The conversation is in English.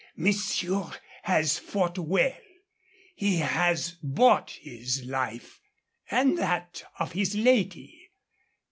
Monsieur has fought well. He has bought his life, and that of his lady.